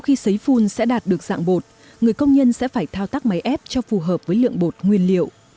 khi xấy phun sẽ đạt được dạng bột người công nhân sẽ phải thao tác máy ép cho phù hợp với lượng bột nguyên liệu